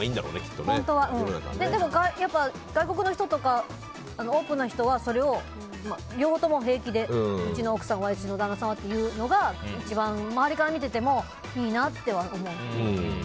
でも、外国の人とかオープンな人はそれを両方とも平気でうちの奥さんは、旦那さんはって言うのは一番周りから見ていてもいいなとは思う。